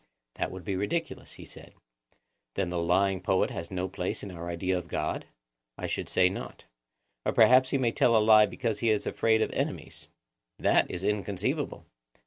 That would be ridiculous, he said. Then the lying poet has no place in our idea of God? I should say not. Or perhaps he may tell a lie because he is afraid of enemies? That is inconceivable.